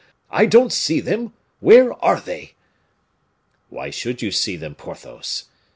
I don't see them where are they?" "Why should you see them, Porthos?"